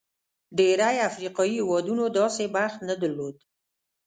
ډېری افریقايي هېوادونو داسې بخت نه درلود.